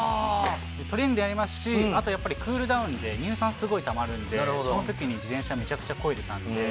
トレーニングでやりますし、あとやっぱりクールダウンで、乳酸すごいたまるんで、そのときに自転車めちゃくちゃこいでたんで。